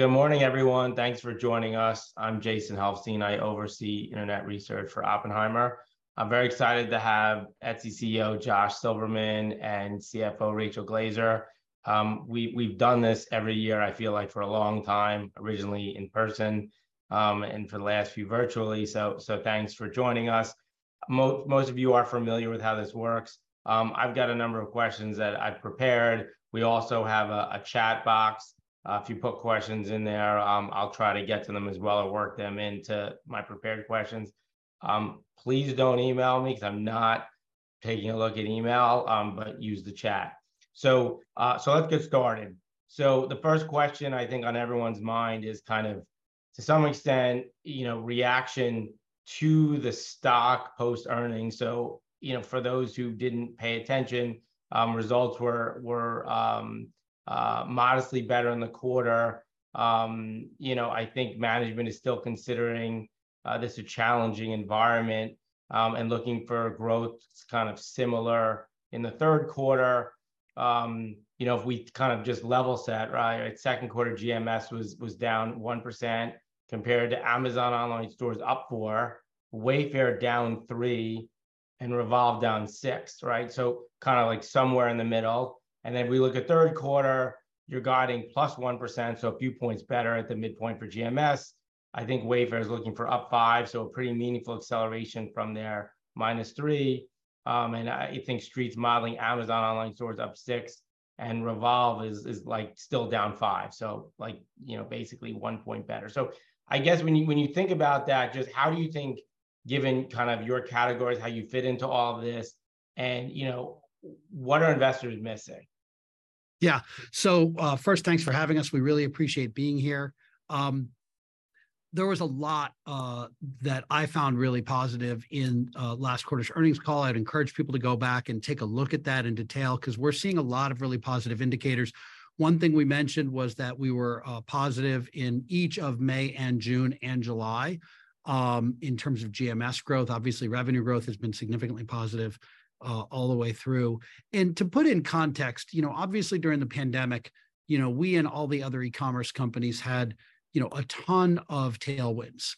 Good morning, everyone. Thanks for joining us. I'm Jason Helfstein. I oversee internet research for Oppenheimer. I'm very excited to have Etsy CEO Josh Silverman and CFO Rachel Glaser. We, we've done this every year, I feel like, for a long time, originally in person, and for the last few, virtually, thanks for joining us. Most of you are familiar with how this works. I've got a number of questions that I've prepared. We also have a chat box. If you put questions in there, I'll try to get to them as well, or work them into my prepared questions. Please don't email me, 'cause I'm not taking a look at email, but use the chat. Let's get started. The first question, I think, on everyone's mind is kind of, to some extent, you know, reaction to the stock post-earnings. You know, for those who didn't pay attention, results were, were modestly better in the quarter. You know, I think management is still considering this a challenging environment, and looking for growth kind of similar in the third quarter. You know, if we kind of just level set, right? Second quarter GMS was, was down 1%, compared to Amazon Online Stores up 4%, Wayfair down 3%, and Revolve down 6%, right? Kind of like somewhere in the middle. If we look at third quarter, you're guiding +1%, so a few points better at the midpoint for GMS. I think Wayfair is looking for up 5%, so a pretty meaningful acceleration from their -3%. And I think Street's modelling Amazon Online Stores up 6%, and Revolve is, is still down 5%, you know, basically 1 point better. I guess when you, when you think about that, just how do you think, given kind of your categories, how you fit into all of this and, you know, what are investors missing? Yeah. First, thanks for having us. We really appreciate being here. There was a lot that I found really positive in last quarter's earnings call. I'd encourage people to go back and take a look at that in detail, 'cause we're seeing a lot of really positive indicators. One thing we mentioned was that we were positive in each of May and June and July in terms of GMS growth. Obviously, revenue growth has been significantly positive all the way through. To put in context, you know, obviously, during the pandemic, you know, we and all the other e-commerce companies had, you know, a ton of tailwinds.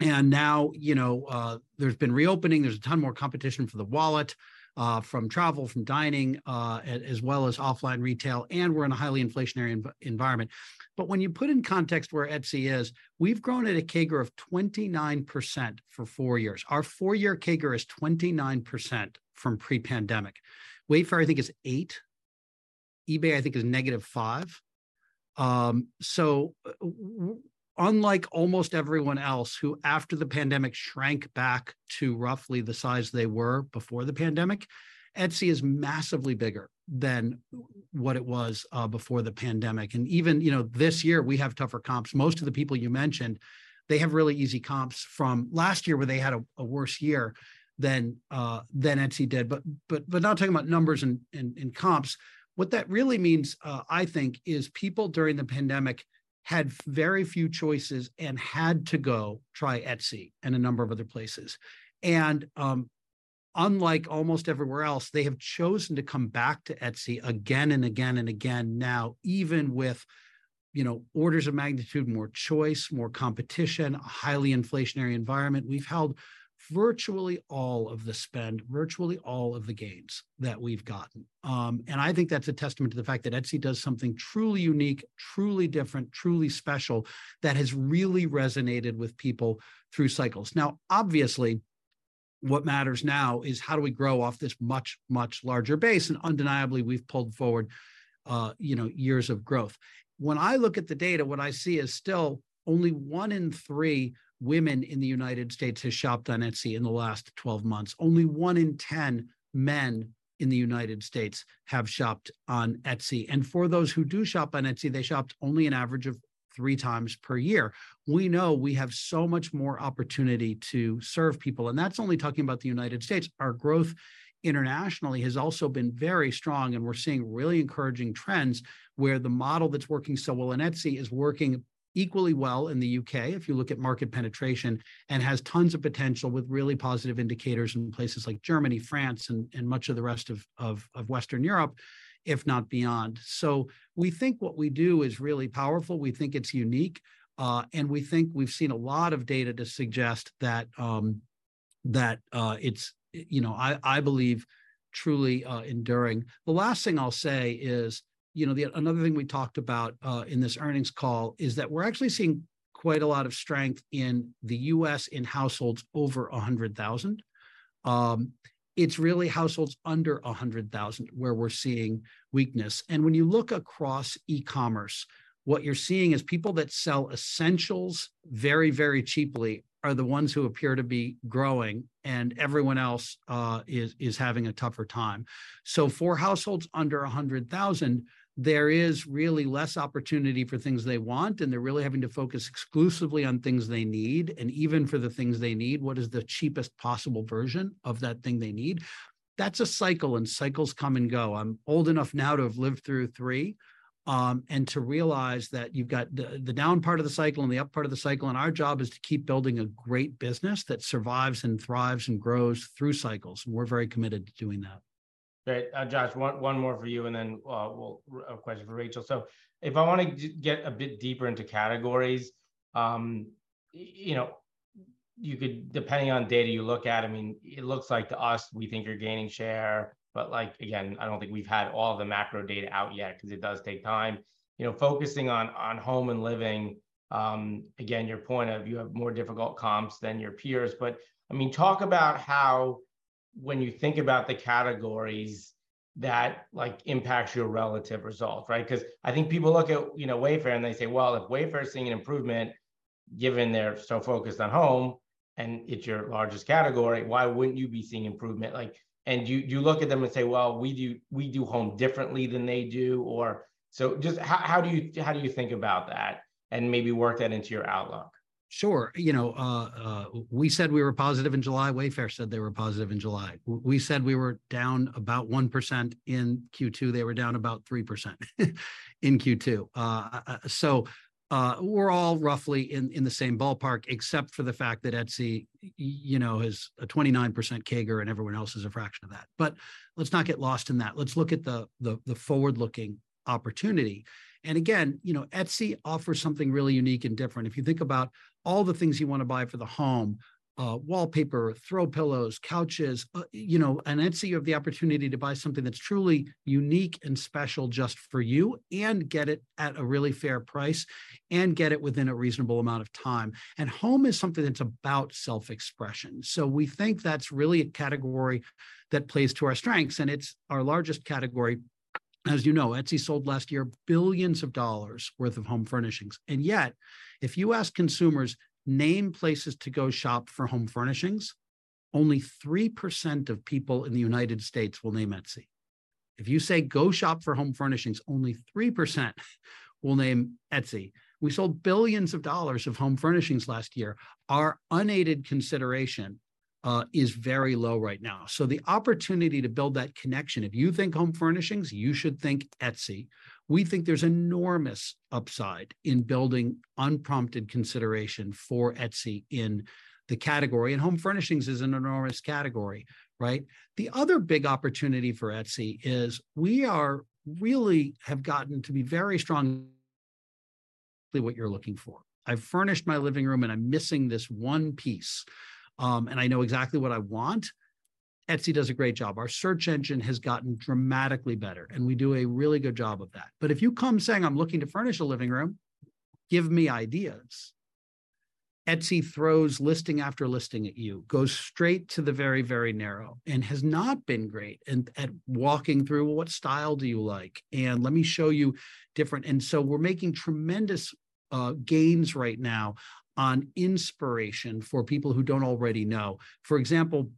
Now, you know, there's been reopening, there's a ton more competition for the wallet, from travel, from dining, as well as offline retail, and we're in a highly inflationary environment. When you put in context where Etsy is, we've grown at a CAGR of 29% for our years. Our four-year CAGR is 29% from pre-pandemic. Wayfair, I think, is 8. eBay, I think, is -5. Unlike almost everyone else, who, after the pandemic, shrank back to roughly the size they were before the pandemic, Etsy is massively bigger than what it was before the pandemic. Even, you know, this year, we have tougher comps. Most of the people you mentioned, they have really easy comps from last year, where they had a worse year than Etsy did. Not talking about numbers and, and comps, what that really means, I think, is people during the pandemic had very few choices and had to go try Etsy and a number of other places. Unlike almost everywhere else, they have chosen to come back to Etsy again and again and again now, even with, you know, orders of magnitude, more choice, more competition, a highly inflationary environment. We've held virtually all of the spend, virtually all of the gains that we've gotten. And I think that's a testament to the fact that Etsy does something truly unique, truly different, truly special, that has really resonated with people through cycles. Obviously, what matters now is how do we grow off this much, much larger base? Undeniably, we've pulled forward, you know, years of growth. When I look at the data, what I see is still only one in three women in the United States has shopped on Etsy in the last 12 months. Only one in 10 men in the United States have shopped on Etsy, for those who do shop on Etsy, they shopped only an average of 3x per year. We know we have so much more opportunity to serve people, that's only talking about the United States. Our growth internationally has also been very strong, we're seeing really encouraging trends, where the model that's working so well in Etsy is working equally well in the U.K., if you look at market penetration, has tons of potential with really positive indicators in places like Germany, France, and much of the rest of Western Europe, if not beyond. We think what we do is really powerful. We think it's unique, and we think we've seen a lot of data to suggest that, that, you know, I, I believe, truly enduring. The last thing I'll say is, you know, another thing we talked about in this earnings call is that we're actually seeing quite a lot of strength in the U.S. in households over 100,000. It's really households under 100,000 where we're seeing weakness. When you look across e-commerce, what you're seeing is people that sell essentials very, very cheaply are the ones who appear to be growing, and everyone else is having a tougher time. For households under 100,000, there is really less opportunity for things they want, and they're really having to focus exclusively on things they need. Even for the things they need, what is the cheapest possible version of that thing they need? That's a cycle, and cycles come and go. I'm old enough now to have lived through three, and to realize that you've got the, the down part of the cycle and the up part of the cycle, and our job is to keep building a great business that survives and thrives and grows through cycles, and we're very committed to doing that. Great. Josh, one, one more for you, and then a question for Rachel. If I wanna get a bit deeper into categories, you know, you could, depending on data you look at, I mean, it looks like to us, we think you're gaining share. Like, again, I don't think we've had all the macro data out yet, 'cause it does take time. You know, focusing on, on home and living, again, your point of you have more difficult comps than your peers. I mean, talk about how when you think about the categories, that, like, impacts your relative results, right? 'Cause I think people look at, you know, Wayfair, and they say, "Well, if Wayfair's seeing an improvement, given they're so focused on home, and it's your largest category, why wouldn't you be seeing improvement?" Like, and do you, you look at them and say, "Well, we do, we do home differently than they do," or... Just how, how do you, how do you think about that, and maybe work that into your outlook? Sure. You know, we said we were positive in July, Wayfair said they were positive in July. We said we were down about 1% in Q2, they were down about 3% in Q2. We're all roughly in the same ballpark, except for the fact that Etsy, you know, has a 29% CAGR, and everyone else is a fraction of that. Let's not get lost in that. Let's look at the forward-looking opportunity. Again, you know, Etsy offers something really unique and different. If you think about all the things you wanna buy for the home, wallpaper, throw pillows, couches, you know, on Etsy, you have the opportunity to buy something that's truly unique and special just for you, and get it at a really fair price, and get it within a reasonable amount of time. Home is something that's about self-expression, so we think that's really a category that plays to our strengths, and it's our largest category. As you know, Etsy sold last year billions of dollars worth of home furnishings, yet, if you ask consumers, "Name places to go shop for home furnishings," only 3% of people in the United States will name Etsy. If you say, "Go shop for home furnishings," only 3% will name Etsy. We sold billions of dollars home furnishings last year. Our unaided consideration is very low right now. The opportunity to build that connection... If you think home furnishings, you should think Etsy. We think there's enormous upside in building unprompted consideration for Etsy in the category, and home furnishings is an enormous category, right? The other big opportunity for Etsy is really have gotten to be very strong... what you're looking for. I've furnished my living room, and I'm missing this one piece, and I know exactly what I want. Etsy does a great job. Our search engine has gotten dramatically better, and we do a really good job of that. If you come saying, "I'm looking to furnish a living room, give me ideas," Etsy throws listing after listing at you, goes straight to the very, very narrow, and has not been great at, at walking through, "Well, what style do you like?" "Let me show you different..." We're making tremendous gains right now on inspiration for people who don't already know. For example,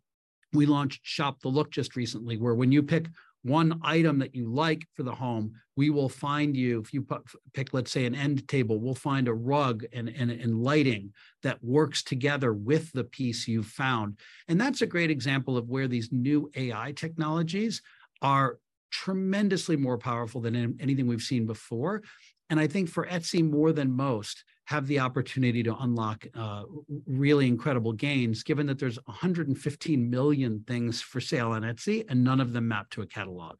we launched Shop the Look just recently, where when you pick one item that you like for the home, we will find you. If you pick, let's say, an end table, we'll find a rug and, and, and lighting that works together with the piece you've found. That's a great example of where these new AI technologies are tremendously more powerful than anything we've seen before, and I think for Etsy more than most, have the opportunity to unlock, really incredible gains, given that there's 115 million things for sale on Etsy, and none of them map to a catalog.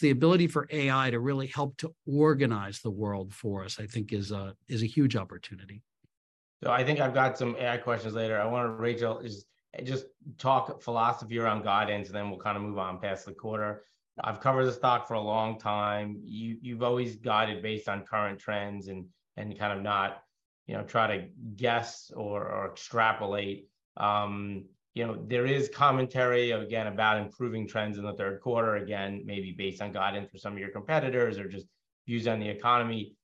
The ability for AI to really help to organize the world for us, I think, is a, is a huge opportunity. I think I've got some AI questions later. I wonder, Rachel, just, just talk philosophy around guidance, and then we'll kind of move on past the quarter. I've covered the stock for a long time. You, you've always guided based on current trends, and, and kind of not, you know, try to guess or, or extrapolate. You know, there is commentary, again, about improving trends in the third quarter, again, maybe based on guidance for some of your competitors or just views on the economy.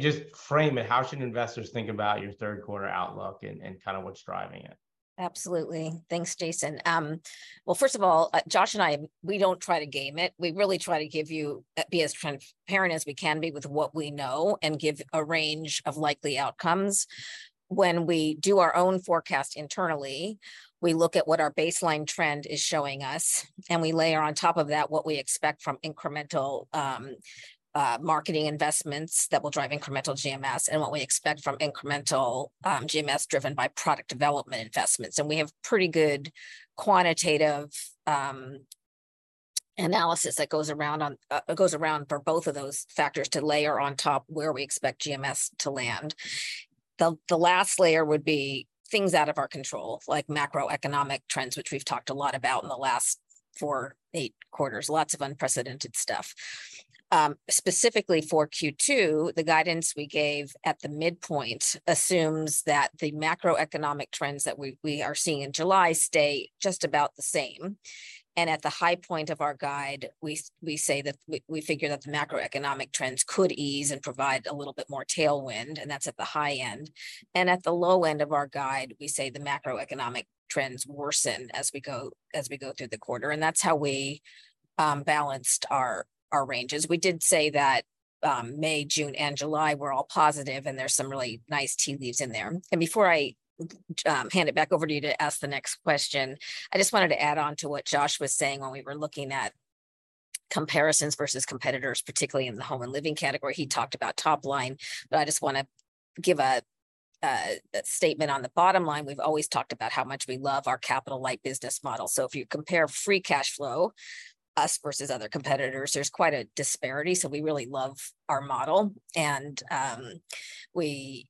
Just frame it: How should investors think about your third-quarter outlook and, and kind of what's driving it? Absolutely. Thanks, Jason. Well, first of all, Josh and I, we don't try to game it. We really try to give you, be as transparent as we can be with what we know and give a range of likely outcomes. When we do our own forecast internally, we look at what our baseline trend is showing us, and we layer on top of that what we expect from incremental, marketing investments that will drive incremental GMS, and what we expect from incremental, GMS driven by product development investments. We have pretty good quantitative, analysis that goes around, goes around for both of those factors to layer on top where we expect GMS to land. The last layer would be things out of our control, like macroeconomic trends, which we've talked a lot about in the last four, eight quarters. Lots of unprecedented stuff. Specifically for Q2, the guidance we gave at the midpoint assumes that the macroeconomic trends that we, we are seeing in July stay just about the same. At the high point of our guide, we say that we, we figure that the macroeconomic trends could ease and provide a little bit more tailwind, and that's at the high end. At the low end of our guide, we say the macroeconomic trends worsen as we go, as we go through the quarter, and that's how we balanced our, our ranges. We did say that May, June, and July were all positive, and there's some really nice tea leaves in there. Before I hand it back over to you to ask the next question, I just wanted to add on to what Josh was saying when we were looking at comparisons versus competitors, particularly in the home and living category. He talked about top line, but I just wanna give that statement on the bottom line, we've always talked about how much we love our capital light business model. If you compare free cash flow, us versus other competitors, there's quite a disparity, so we really love our model. We...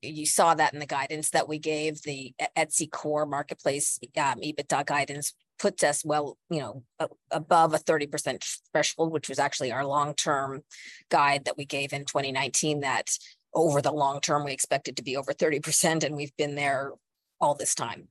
You saw that in the guidance that we gave, the Etsy core marketplace, EBITDA guidance puts us well, you know, above a 30% threshold, which was actually our long-term guide that we gave in 2019, that over the long term we expect it to be over 30%, and we've been there all this time.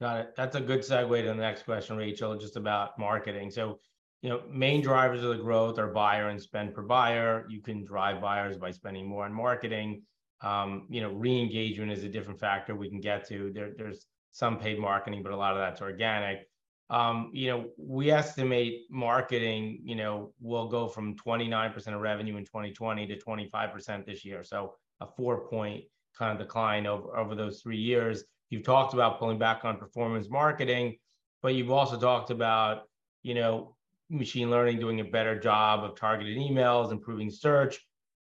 Got it. That's a good segue to the next question, Rachel, just about marketing. You know, main drivers of the growth are buyer and spend per buyer. You can drive buyers by spending more on marketing. You know, re-engagement is a different factor we can get to. There, there's some paid marketing, but a lot of that's organic. You know, we estimate marketing, you know, will go from 29% of revenue in 2020 to 25% this year, so a four-point kind of decline over, over those three years. You've talked about pulling back on performance marketing, but you've also talked about, you know, machine learning, doing a better job of targeted emails, improving search.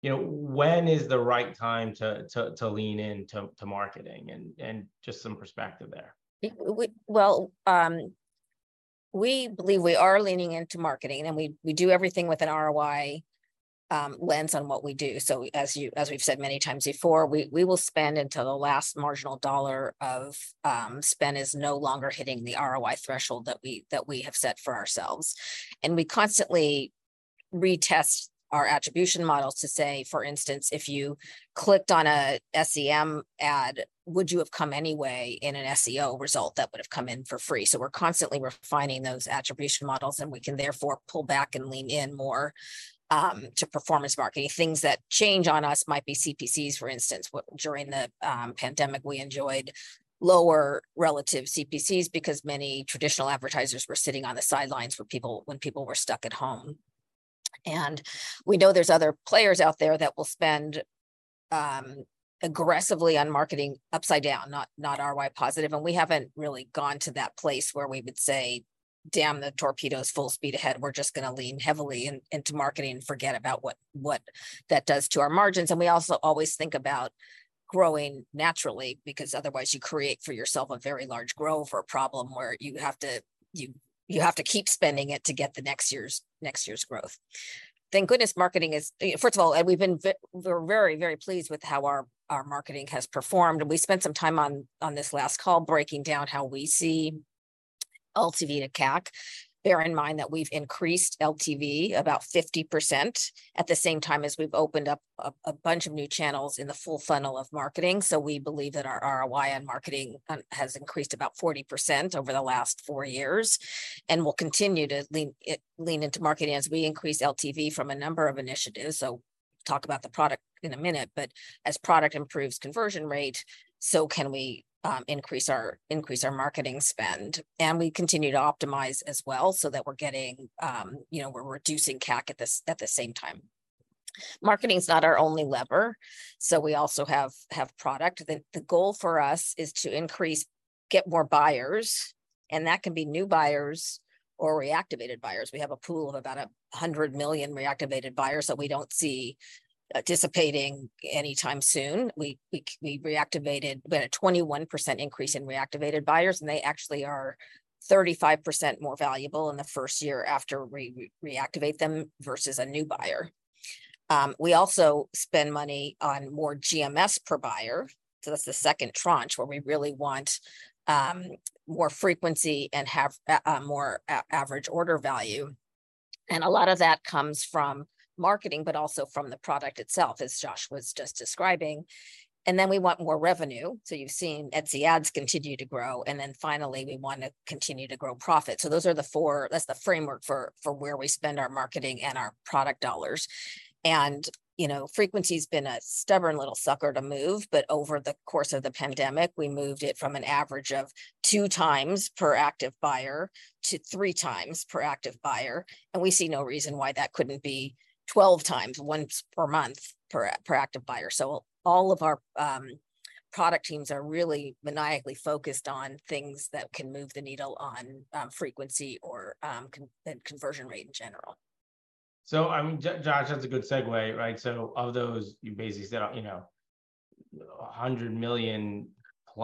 You know, when is the right time to, to, to lean into to marketing? Just some perspective there. W- well, we believe we are leaning into marketing, and we, we do everything with an ROI lens on what we do. As you- as we've said many times before, we, we will spend until the last marginal dollar of spend is no longer hitting the ROI threshold that we, that we have set for ourselves. We constantly retest our attribution models to say, for instance, "If you clicked on a SEM ad, would you have come anyway in an SEO result that would've come in for free?" We're constantly refining those attribution models, and we can therefore pull back and lean in more to performance marketing. Things that change on us might be CPCs, for instance, w- during the pandemic, we enjoyed lower relative CPCs because many traditional advertisers were sitting on the sidelines for people... when people were stuck at home. We know there's other players out there that will spend aggressively on marketing upside down, not ROI positive, and we haven't really gone to that place where we would say, "Damn the torpedoes, full speed ahead, we're just gonna lean heavily into marketing and forget about what that does to our margins." We also always think about growing naturally, because otherwise you create for yourself a very large growth or a problem where you have to keep spending it to get the next year's growth. Thank goodness marketing is... First of all, we've been we're very, very pleased with how our marketing has performed, and we spent some time on this last call breaking down how we see LTV to CAC. Bear in mind that we've increased LTV about 50%, at the same time as we've opened up a bunch of new channels in the full funnel of marketing. We believe that our ROI on marketing has increased about 40% over the last four years, and will continue to lean into marketing as we increase LTV from a number of initiatives. Talk about the product in a minute, but as product improves conversion rate, can we increase our marketing spend. We continue to optimize as well, so that we're getting, you know, we're reducing CAC at the same time. Marketing's not our only lever, so we also have product. The goal for us is to increase, get more buyers, and that can be new buyers or reactivated buyers. We have a pool of about 100 million reactivated buyers that we don't see dissipating anytime soon. We had a 21% increase in reactivated buyers, and they actually are 35% more valuable in the first year after we reactivate them, versus a new buyer. We also spend money on more GMS per buyer, so that's the second tranche where we really want more frequency and have more average order value. A lot of that comes from marketing, but also from the product itself, as Josh was just describing. Then we want more revenue, so you've seen Etsy ads continue to grow. Finally, we want to continue to grow profit. Those are the four. That's the framework for where we spend our marketing and our product dollars. You know, frequency's been a stubborn little sucker to move, but over the course of the pandemic, we moved it from an average of 2x per active buyer to 3x per active buyer, and we see no reason why that couldn't be 12x, once per month, per active buyer. All of our product teams are really maniacally focused on things that can move the needle on frequency or conversion rate in general. I mean, Josh, that's a good segue, right? Of those, you basically said, you know, $100 million+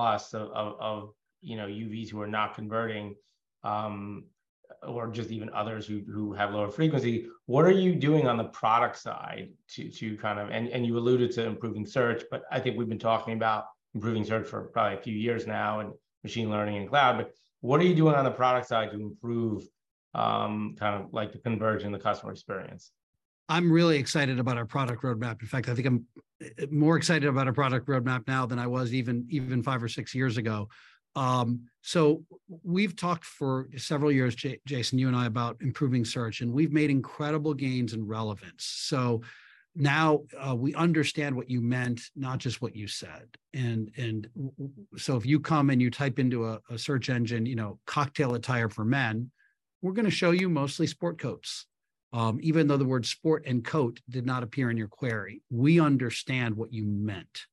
of UVs who are not converting, or just even others who have lower frequency, what are you doing on the product side? You alluded to improving search, but I think we've been talking about improving search for probably a few years now, and machine learning and cloud. What are you doing on the product side to improve, kind of like the conversion, the customer experience? I'm really excited about our product roadmap. In fact, I think I'm more excited about our product roadmap now than I was even, even five or six years ago. We've talked for several years, Jason Helfstein, you and I, about improving search, and we've made incredible gains in relevance. Now, we understand what you meant, not just what you said. If you come and you type into a search engine, you know, "cocktail attire for men," we're gonna show you mostly sport coats. Even though the word "sport" and "coat" did not appear in your query, we understand what you meant.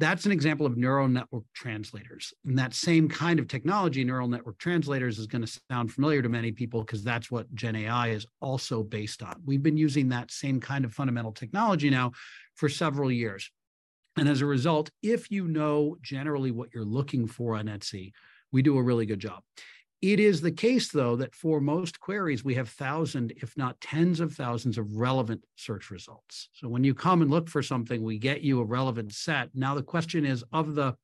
That's an example of neural network translators, and that same kind of technology, neural network translators, is gonna sound familiar to many people, 'cause that's what gen AI is also based on. We've been using that same kind of fundamental technology now for several years, as a result, if you know generally what you're looking for on Etsy, we do a really good job. It is the case, though, that for most queries, we have 1,000, if not tens of thousands, of relevant search results. When you come and look for something, we get you a relevant set. The question is, of the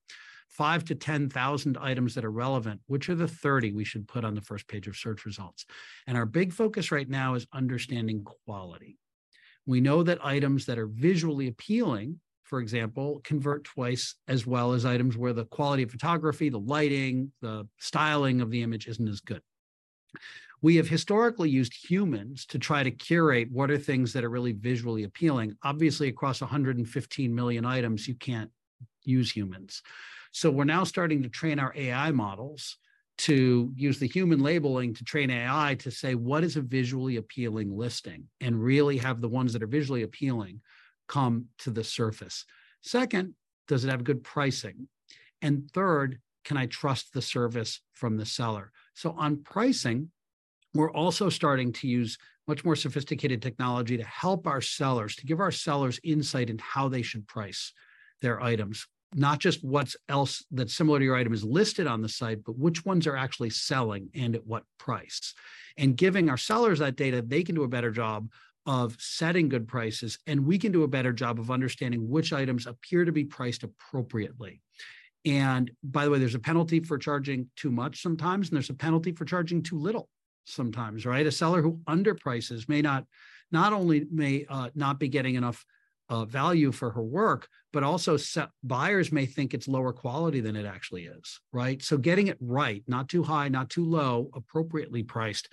five to 10,000 items that are relevant, which are the 30 we should put on the first page of search results? Our big focus right now is understanding quality. We know that items that are visually appealing, for example, convert 2x as well as items where the quality of photography, the lighting, the styling of the image isn't as good. We have historically used humans to try to curate what are things that are really visually appealing. Obviously, across 115 million items, you can't use humans, so we're now starting to train our AI models to use the human labeling to train AI to say, "What is a visually appealing listing?" Really have the ones that are visually appealing come to the surface. Second, does it have good pricing? Third, can I trust the service from the seller? On pricing, we're also starting to use much more sophisticated technology to help our sellers, to give our sellers insight into how they should price their items. Not just what's else that's similar to your item is listed on the site, but which ones are actually selling and at what price. Giving our sellers that data, they can do a better job of setting good prices, and we can do a better job of understanding which items appear to be priced appropriately. By the way, there's a penalty for charging too much sometimes, and there's a penalty for charging too little sometimes, right? A seller who underprices not only may not be getting enough value for her work, but also buyers may think it's lower quality than it actually is, right? Getting it right, not too high, not too low, appropriately priced,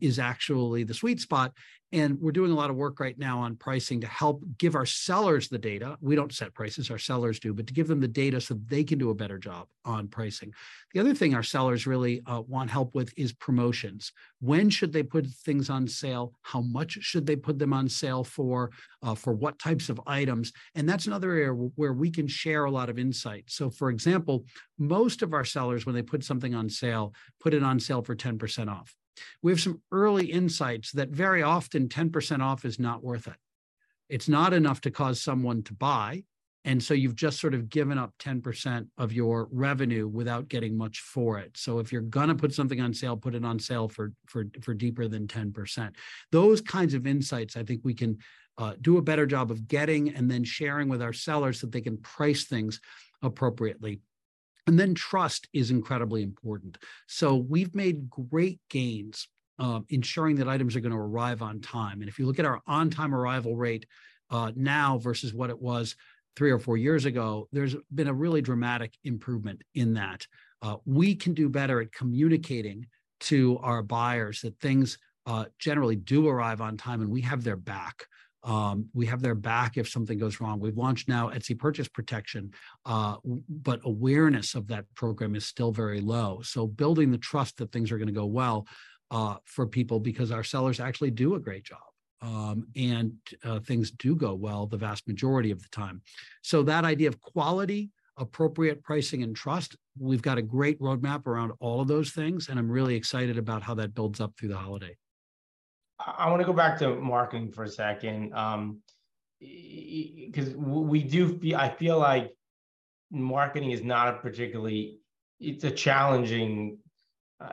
is actually the sweet spot, and we're doing a lot of work right now on pricing to help give our sellers the data. We don't set prices, our sellers do, but to give them the data so they can do a better job on pricing. The other thing our sellers really want help with is promotions. When should they put things on sale? How much should they put them on sale for? For what types of items? That's another area where we can share a lot of insight. For example, most of our sellers, when they put something on sale, put it on sale for 10% off. We have some early insights that very often 10% off is not worth it. It's not enough to cause someone to buy, and so you've just sort of given up 10% of your revenue without getting much for it. If you're gonna put something on sale, put it on sale for, for, for deeper than 10%. Those kinds of insights, I think we can do a better job of getting and then sharing with our sellers so that they can price things appropriately. Trust is incredibly important. We've made great gains ensuring that items are gonna arrive on time, and if you look at our on-time arrival rate now versus what it was three or four years ago, there's been a really dramatic improvement in that. We can do better at communicating to our buyers that things generally do arrive on time, and we have their back. We have their back if something goes wrong. We've launched now Etsy Purchase Protection, but awareness of that program is still very low, building the trust that things are gonna go well for people, because our sellers actually do a great job, and things do go well the vast majority of the time. That idea of quality, appropriate pricing, and trust, we've got a great roadmap around all of those things, and I'm really excited about how that builds up through the holiday. I, I wanna go back to marketing for a second. I feel like marketing is not a particularly. It's a challenging,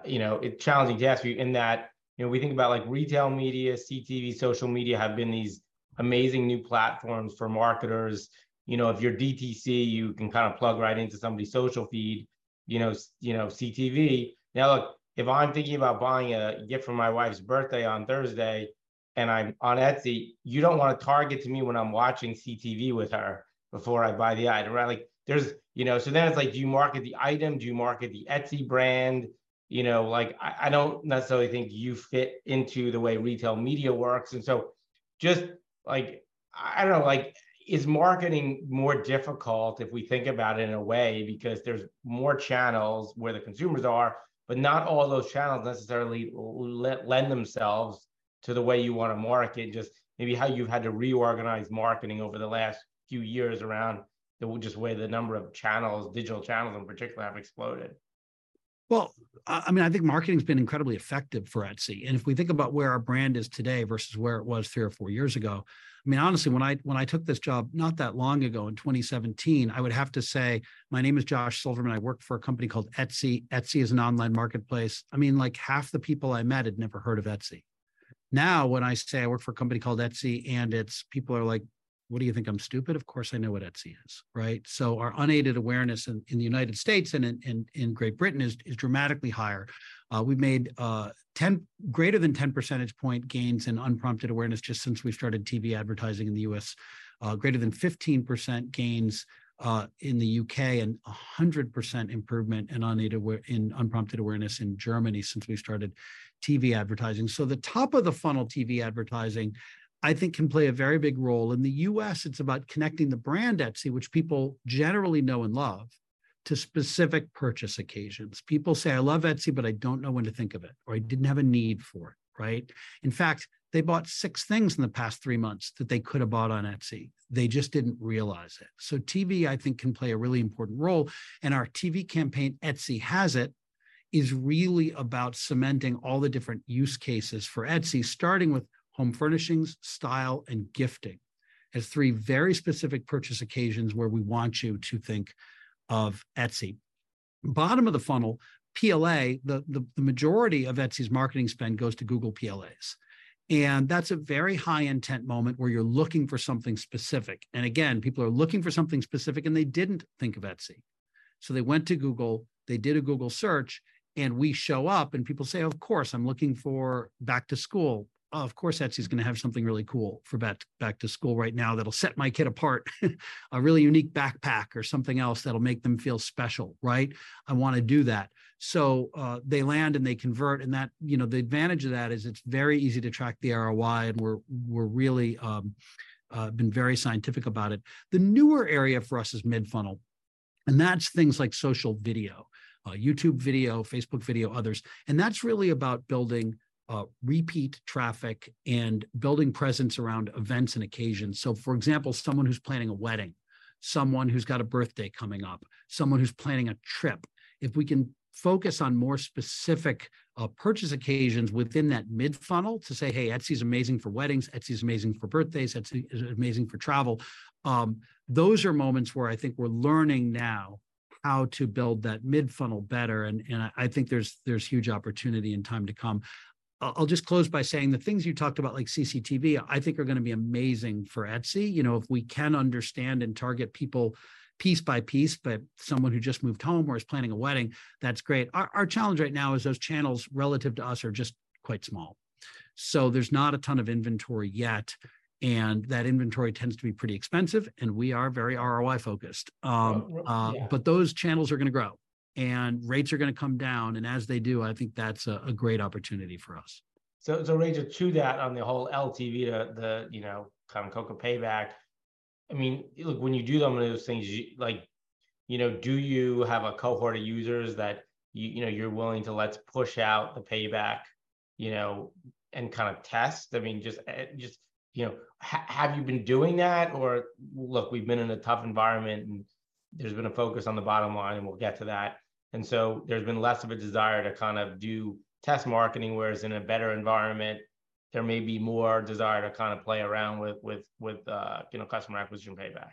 you know, a challenging task in that, you know, we think about, like, retail media, CTV, social media have been these amazing new platforms for marketers. You know, if you're DTC, you can kind of plug right into somebody's social feed, you know, you know, CTV. Look, if I'm thinking about buying a gift for my wife's birthday on Thursday, and I'm on Etsy, you don't wanna target to me when I'm watching CTV with her before I buy the item, right? Like, there's, you know. So then it's like, do you market the item? Do you market the Etsy brand? You know, like, I, I don't necessarily think you fit into the way retail media works, and so just, like, I don't know, like, is marketing more difficult if we think about it in a way, because there's more channels where the consumers are, but not all those channels necessarily lend themselves to the way you want to market? Just maybe how you've had to reorganize marketing over the last few years around the, just way the number of channels, digital channels in particular, have exploded. I mean, I think marketing's been incredibly effective for Etsy, and if we think about where our brand is today versus where it was three or four years ago, I mean, honestly, when I, when I took this job not that long ago in 2017, I would have to say: "My name is Josh Silverman. I work for a company called Etsy. Etsy is an online marketplace." I mean, like, half the people I met had never heard of Etsy. Now, when I say I work for a company called Etsy, and it's... People are like, "What, do you think I'm stupid? Of course, I know what Etsy is," right? Our unaided awareness in the United States and in Great Britain is dramatically higher. We've made greater than 10 percentage point gains in unprompted awareness just since we've started TV advertising in the U.S. Greater than 15% gains in the U.K., and 100% improvement in unprompted awareness in Germany since we started TV advertising. The top-of-the-funnel TV advertising, I think, can play a very big role. In the U.S., it's about connecting the brand Etsy, which people generally know and love, to specific purchase occasions. People say, "I love Etsy, but I don't know when to think of it," or, "I didn't have a need for it," right? In fact, they bought six things in the past three months that they could have bought on Etsy. They just didn't realize it. TV, I think, can play a really important role, and our TV campaign, Etsy Has It, is really about cementing all the different use cases for Etsy, starting with home furnishings, style, and gifting, as three very specific purchase occasions where we want you to think of Etsy. Bottom of the funnel, PLA, the majority of Etsy's marketing spend goes to Google PLAs, and that's a very high-intent moment where you're looking for something specific. Again, people are looking for something specific, and they didn't think of Etsy. They went to Google, they did a Google search, and we show up, and people say, "Of course, I'm looking for back to school. Of course, Etsy's gonna have something really cool for back to school right now that'll set my kid apart. A really unique backpack or something else that'll make them feel special," right? I wanna do that." They land, and they convert, and that. You know, the advantage of that is it's very easy to track the ROI, and we're, we're really been very scientific about it. The newer area for us is mid-funnel, and that's things like social video, YouTube video, Facebook video, others, and that's really about building repeat traffic and building presence around events and occasions. For example, someone who's planning a wedding, someone who's got a birthday coming up, someone who's planning a trip. If we can focus on more specific purchase occasions within that mid-funnel to say, "Hey, Etsy's amazing for weddings. Etsy is amazing for birthdays. Etsy is amazing for travel," those are moments where I think we're learning now how to build that mid-funnel better, and, and I think there's, there's huge opportunity and time to come. I'll, I'll just close by saying the things you talked about, like CTV, I think are gonna be amazing for Etsy. You know, if we can understand and target people piece by piece, by someone who just moved home or is planning a wedding, that's great. Our, our challenge right now is those channels relative to us are just quite small. So there's not a ton of inventory yet, and that inventory tends to be pretty expensive, and we are very ROI-focused. Right. Yeah. Those channels are gonna grow, and rates are gonna come down, and as they do, I think that's a, a great opportunity for us. So Rachel, to that, on the whole LTV, the, you know, CAC payback, I mean, look, when you do some of those things, you like... You know, do you have a cohort of users that you know, you're willing to let's push out the payback, you know, and kind of test? I mean, just, you know, have you been doing that? Look, we've been in a tough environment, and there's been a focus on the bottom line, and we'll get to that, and so there's been less of a desire to kind of do test marketing. Whereas in a better environment, there may be more desire to kind of play around with, you know, customer acquisition payback.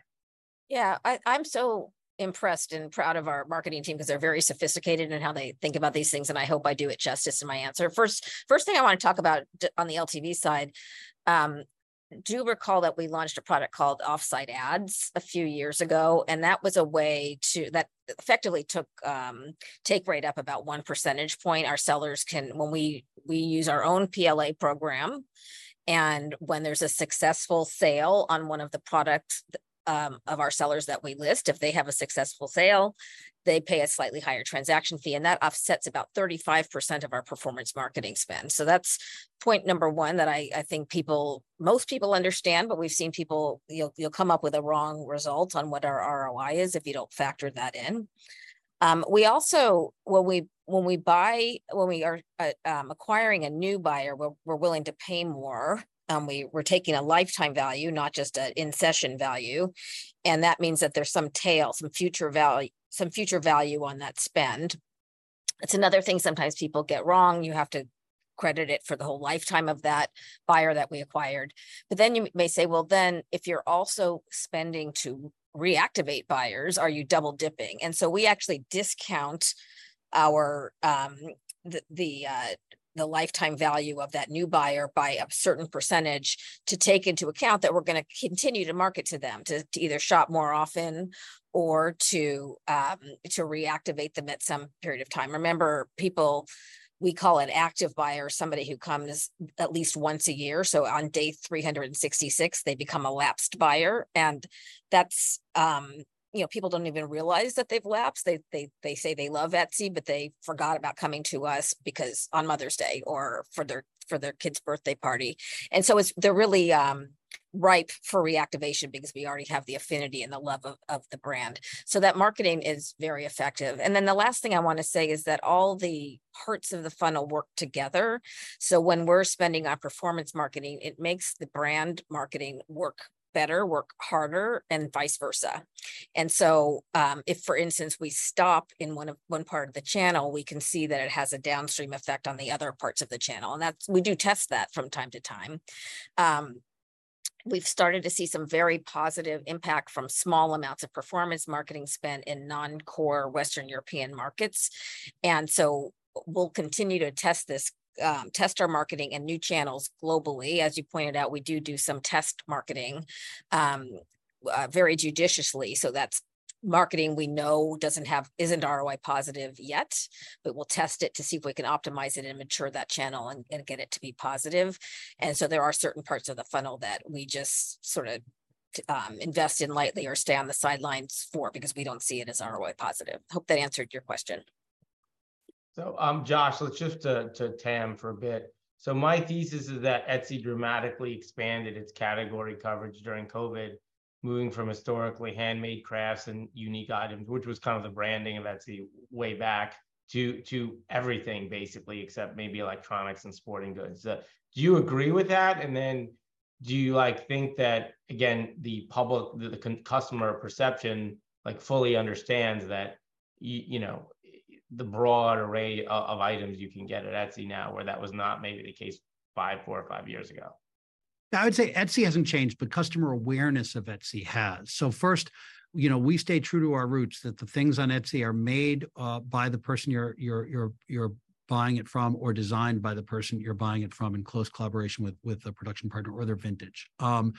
Yeah, I, I'm so impressed and proud of our marketing team 'cause they're very sophisticated in how they think about these things, and I hope I do it justice in my answer. First, first thing I wanna talk on the LTV side, do recall that we launched a product called Offsite Ads a few years ago. That was a way to... That effectively took take rate up about 1 percentage point. Our sellers can, when we use our own PLA program, and when there's a successful sale on one of the products of our sellers that we list, if they have a successful sale, they pay a slightly higher transaction fee, and that offsets about 35% of our performance marketing spend. That's point number one that I, I think most people understand. We've seen people... You'll, you'll come up with a wrong result on what our ROI is if you don't factor that in. We also, when we, when we are acquiring a new buyer, we're, we're willing to pay more. We're, we're taking a lifetime value, not just an in-session value, and that means that there's some tail, some future value, some future value on that spend. It's another thing sometimes people get wrong. You have to credit it for the whole lifetime of that buyer that we acquired. You may say, "Well, then, if you're also spending to reactivate buyers, are you double-dipping?" We actually discount our, the, the, the lifetime value of that new buyer by a certain percentage to take into account that we're gonna continue to market to them, to, to either shop more often or to reactivate them at some period of time. Remember, people, we call an active buyer, somebody who comes at least once a year. On day 366, they become a lapsed buyer, and that's, you know, people don't even realize that they've lapsed. They, they, they say they love Etsy, but they forgot about coming to us because on Mother's Day or for their, for their kid's birthday party. So they're really ripe for reactivation because we already have the affinity and the love of the brand. That marketing is very effective. The last thing I want to say is that all the parts of the funnel work together. When we're spending on performance marketing, it makes the brand marketing work better, work harder, and vice versa. So, if, for instance, we stop in one part of the channel, we can see that it has a downstream effect on the other parts of the channel, and that's. We do test that from time to time. We've started to see some very positive impact from small amounts of performance marketing spend in non-core Western European markets, so we'll continue to test this, test our marketing in new channels globally. As you pointed out, we do do some test marketing, very judiciously. That's marketing we know isn't ROI positive yet, but we'll test it to see if we can optimize it and mature that channel and get it to be positive. There are certain parts of the funnel that we just sort of, invest in lightly or stay on the sidelines for because we don't see it as ROI positive. Hope that answered your question.... Josh, let's shift to TAM for a bit. My thesis is that Etsy dramatically expanded its category coverage during COVID, moving from historically handmade crafts and unique items, which was kind of the branding of Etsy, way back to everything, basically, except maybe electronics and sporting goods. Do you agree with that? Do you, like, think that, again, the public, the customer perception, like, fully understands that you know, the broad array of items you can get at Etsy now, where that was not maybe the case four or five years ago? I would say Etsy hasn't changed. Customer awareness of Etsy has. First, you know, we stay true to our roots, that the things on Etsy are made by the person you're buying it from or designed by the person you're buying it from in close collaboration with, with a production partner, or they're vintage. That's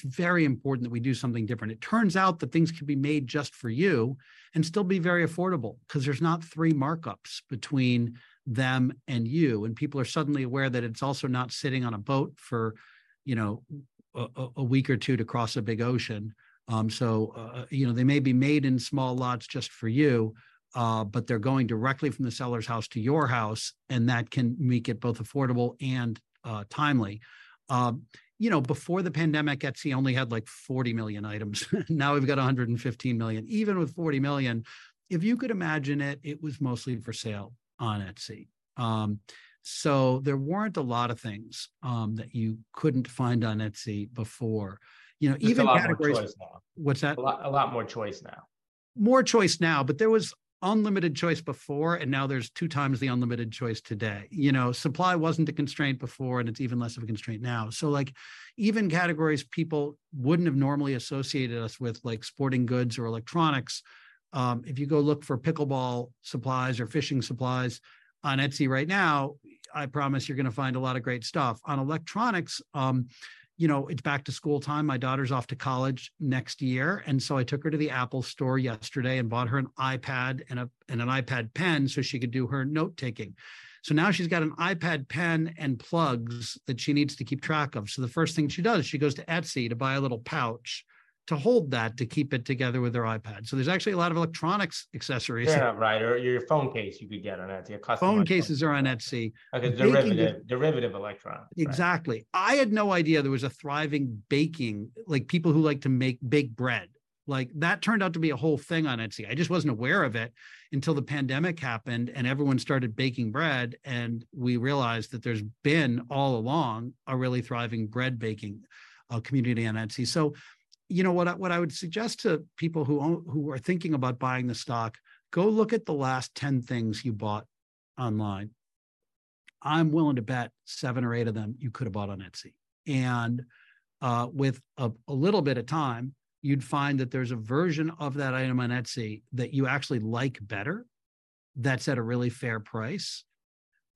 very important that we do something different. It turns out that things can be made just for you and still be very affordable, 'cause there's not three markups between them and you. People are suddenly aware that it's also not sitting on a boat for, you know, a week or two to cross a big ocean. You know, they may be made in small lots just for you, but they're going directly from the seller's house to your house, and that can make it both affordable and timely. You know, before the pandemic, Etsy only had, like, 40 million items. Now we've got 115 million. Even with 40 million, if you could imagine it, it was mostly for sale on Etsy. There weren't a lot of things that you couldn't find on Etsy before. You know, even categories- There's a lot more choice now. What's that? A lot, a lot more choice now. More choice now, but there was unlimited choice before, and now there's 2x the unlimited choice today. You know, supply wasn't a constraint before, and it's even less of a constraint now. Like, even categories people wouldn't have normally associated us with, like sporting goods or electronics, if you go look for pickleball supplies or fishing supplies on Etsy right now, I promise you're gonna find a lot of great stuff. On electronics, you know, it's back-to-school time. My daughter's off to college next year, and so I took her to the Apple Store yesterday and bought her an iPad and an iPad pen so she could do her note-taking. Now she's got an iPad, pen, and plugs that she needs to keep track of. The first thing she does, she goes to Etsy to buy a little pouch to hold that, to keep it together with her iPad. There's actually a lot of electronics accessories. Yeah, right, or your phone case you could get on Etsy, a custom phone case. Phone cases are on Etsy. Baking- Okay, derivative, derivative electronics, right? Exactly. I had no idea there was a thriving baking... Like, people who like to make baked bread. Like, that turned out to be a whole thing on Etsy. I just wasn't aware of it until the pandemic happened, and everyone started baking bread, and we realized that there's been, all along, a really thriving bread baking community on Etsy. You know, what I, what I would suggest to people who are thinking about buying the stock, go look at the last 10 things you bought online. I'm willing to bet seven or eight of them you could have bought on Etsy. With a, a little bit of time, you'd find that there's a version of that item on Etsy that you actually like better, that's at a really fair price.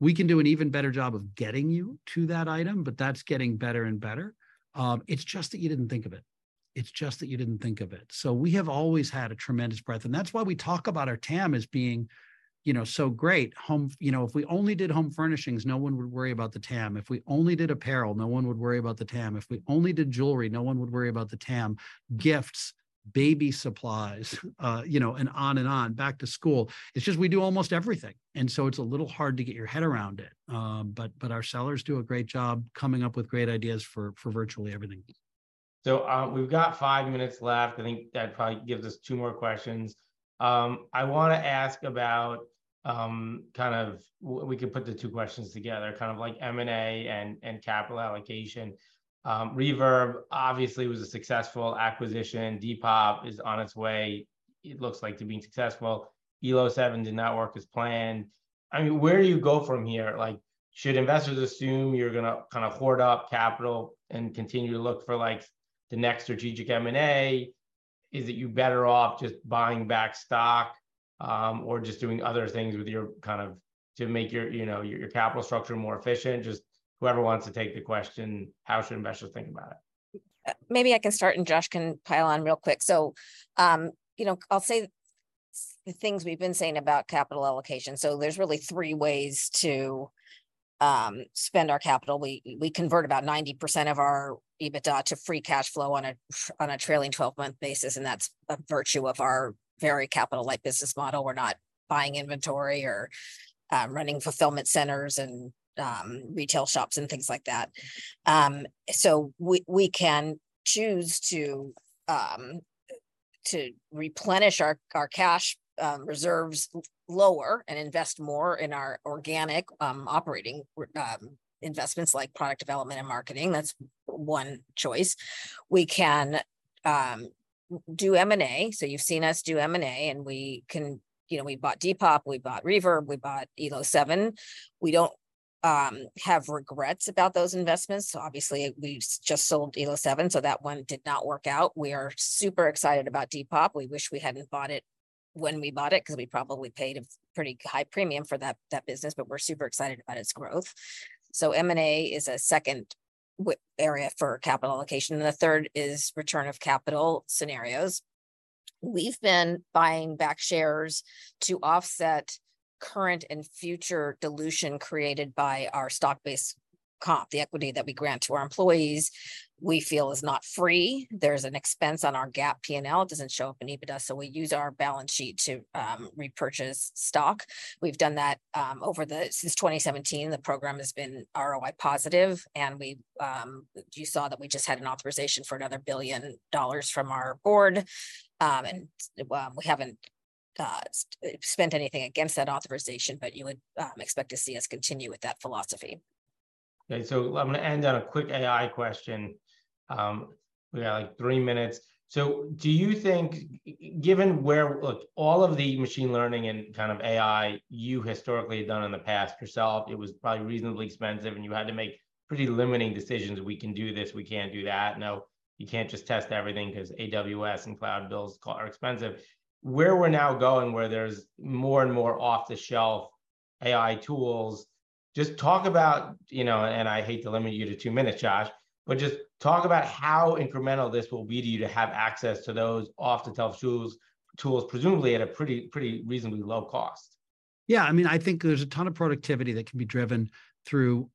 We can do an even better job of getting you to that item, but that's getting better and better. It's just that you didn't think of it. It's just that you didn't think of it. We have always had a tremendous breadth, and that's why we talk about our TAM as being, you know, so great. Home you know, if we only did home furnishings, no one would worry about the TAM. If we only did apparel, no one would worry about the TAM. If we only did jewelry, no one would worry about the TAM. Gifts, baby supplies, you know, and on and on, back to school. It's just we do almost everything, and so it's a little hard to get your head around it. But our sellers do a great job coming up with great ideas for, for virtually everything. We've got five minutes left. I think that probably gives us two more questions. I wanna ask about, kind of... we can put the two questions together, kind of like M&A and, and capital allocation. Reverb obviously was a successful acquisition. Depop is on its way, it looks like, to being successful. Elo7 did not work as planned. I mean, where do you go from here? Like, should investors assume you're gonna kind of hoard up capital and continue to look for, like, the next strategic M&A? Is it you're better off just buying back stock, or just doing other things with your, kind of- to make your, you know, your capital structure more efficient? Just whoever wants to take the question, how should investors think about it? Maybe I can start, and Josh can pile on real quick. You know, I'll say the things we've been saying about capital allocation. There's really three ways to spend our capital. We, we convert about 90% of our EBITDA to free cash flow on a trailing 12-month basis, and that's a virtue of our very capital-light business model. We're not buying inventory or running fulfillment centers and retail shops, and things like that. We, we can choose to replenish our cash reserves lower, and invest more in our organic operating investments like product development and marketing. That's 1 choice. We can do M&A. You've seen us do M&A, and we can... You know, we bought Depop, we bought Reverb, we bought Elo7. We don't have regrets about those investments. Obviously we've just sold Elo7, so that one did not work out. We are super excited about Depop. We wish we hadn't bought it when we bought it, 'cause we probably paid a pretty high premium for that business, but we're super excited about its growth. M&A is a second area for capital allocation, and the third is return of capital scenarios. We've been buying back shares to offset current and future dilution created by our stock-based comp, the equity that we grant to our employees, we feel is not free. There's an expense on our GAAP P&L. It doesn't show up in EBITDA, so we use our balance sheet to repurchase stock. We've done that over since 2017, the program has been ROI positive, and we, you saw that we just had an authorization for another $1 billion from our board. Well, we haven't spent anything against that authorization, but you would expect to see us continue with that philosophy. Okay, I'm gonna end on a quick AI question. We got, like, three minutes. Do you think given where... Look, all of the machine learning and kind of AI you historically have done in the past yourself, it was probably reasonably expensive, and you had to make pretty limiting decisions, "We can do this, we can't do that." No, you can't just test everything, 'cause AWS and cloud bills are expensive. Where we're now going, where there's more and more off-the-shelf AI tools, just talk about, you know... I hate to limit you to two minutes, Josh, but just talk about how incremental this will be to you to have access to those off-the-shelf tools, tools presumably at a pretty, pretty reasonably low cost. Yeah, I mean, I think there's a ton of productivity that can be driven through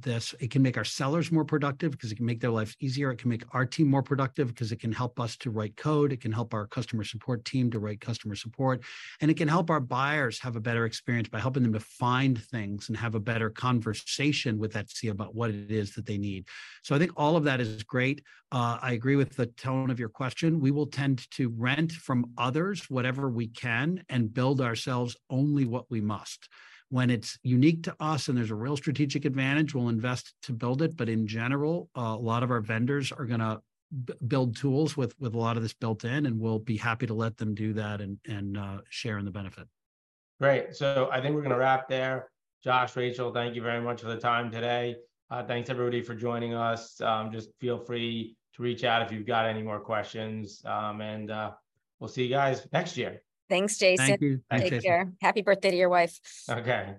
this. It can make our sellers more productive, 'cause it can make their lives easier. It can make our team more productive, 'cause it can help us to write code. It can help our customer support team to write customer support, and it can help our buyers have a better experience by helping them to find things and have a better conversation with Etsy about what it is that they need. I think all of that is great. I agree with the tone of your question. We will tend to rent from others whatever we can, and build ourselves only what we must. When it's unique to us and there's a real strategic advantage, we'll invest to build it. In general, a lot of our vendors are gonna build tools with, with a lot of this built in, and we'll be happy to let them do that and, and share in the benefit. Great, I think we're gonna wrap there. Josh, Rachel, thank you very much for the time today. Thanks everybody for joining us. Just feel free to reach out if you've got any more questions. We'll see you guys next year. Thanks, Jason. Thank you. Thanks, Jason. Take care. Happy birthday to your wife. Okay.